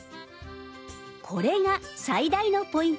これが最大のポイント。